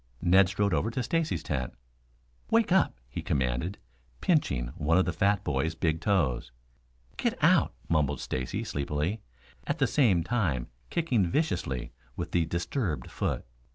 Ned strode over to Stacy's tent. "Wake up," he commanded, pinching one of the fat boy's big toes. "Get out," mumbled Stacy sleepily, at the same time kicking viciously with the disturbed foot.